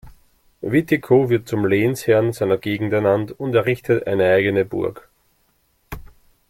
Witiko wird zum Lehnsherrn seiner Gegend ernannt und errichtet eine eigene Burg.